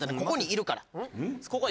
ここにいるから。